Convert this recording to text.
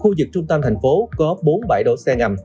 khu vực trung tâm thành phố có bốn bãi đổ xe ngầm